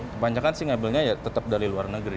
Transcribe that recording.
kebanyakan sih ngabelnya ya tetap dari luar negeri